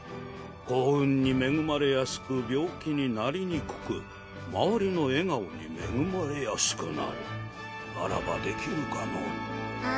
幸運に恵まれやすく病気になりにくく周りの笑顔に恵まれやすくなるならばできるかのうあ